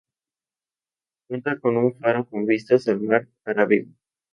Cuenta con un faro con vistas al mar Arábigo.